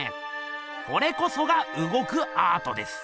これこそがうごくアートです！